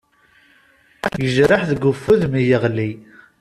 Yejreḥ deg ufud mi yeɣli.